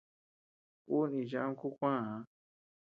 Ú níchi ama kú kuäa.